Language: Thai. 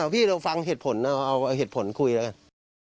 พี่เราฟังเหตุผลเอาเหตุผลคุยแล้วกัน